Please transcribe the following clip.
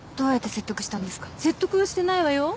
説得はしてないわよ。